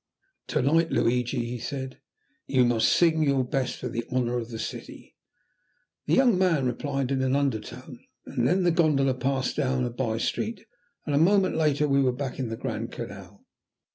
"To night, Luigi," he said, "you must sing your best for the honour of the city." The young man replied in an undertone, and then the gondola passed down a by street and a moment later we were back in the Grand Canal.